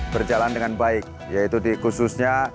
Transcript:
berjalan dengan baik yaitu di khususnya